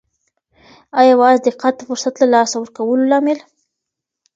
او یوازې دقت د فرصت له لاسه ورکولو لامل.